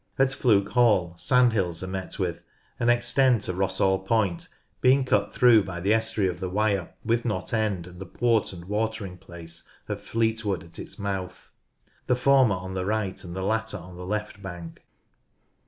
At Fluke Hall sandhills are met with and extend to Rossall Point, being cut through by the estuary of the Wyre, with Knott End and the port and watering place of Fleetwood at its mouth, the former on the right and the latter on the left bank.